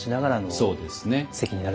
そうですね。